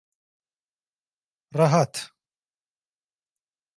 Rahat.